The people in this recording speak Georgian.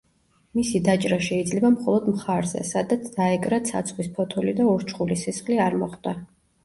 მისი დაჭრა შეიძლება მხოლოდ მხარზე, სადაც დაეკრა ცაცხვის ფოთოლი და ურჩხულის სისხლი არ მოხვდა.